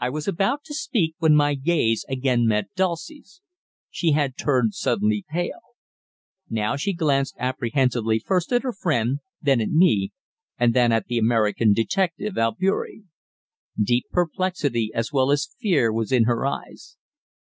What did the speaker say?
I was about to speak, when my gaze again met Dulcie's. She had turned suddenly pale. Now she glanced apprehensively first at her friend, then at me, and then at the American detective Albeury. Deep perplexity as well as fear was in her eyes.